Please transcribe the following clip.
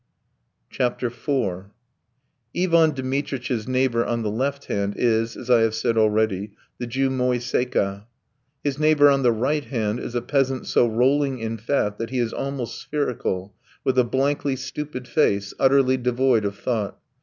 IV Ivan Dmitritch's neighbour on the left hand is, as I have said already, the Jew Moiseika; his neighbour on the right hand is a peasant so rolling in fat that he is almost spherical, with a blankly stupid face, utterly devoid of thought.